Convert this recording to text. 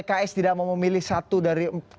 kalau misalnya pks tidak mau memilih satu dari tiga nama itu